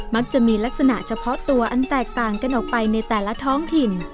มักจะมีลักษณะเฉพาะตัวอันแตกต่างกันออกไปในแต่ละท้องถิ่น